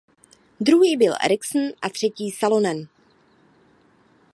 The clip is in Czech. Druhý byl Ericsson a třetí Salonen.